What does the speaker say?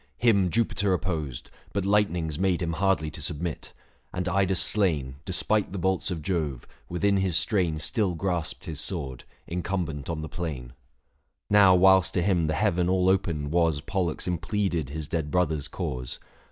Him Jupiter opposed ; but lightnings made 815 Him hardly to submit : and Idas slain, Despite the bolts of Jove, within his strain Still grasped his sword, incumbent on the plain. 170 THE FASTI. Book V. Now whilst to him the heaven all open was Pollux impleaded his dead brother's cause.